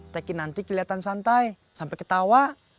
teknik nanti kelihatan santai sampai ketawa